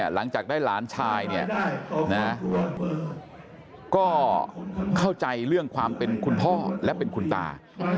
หลังจากได้หลานชายก็เข้าใจเรื่องความเป็นคุณพ่อและเป็นคุณตา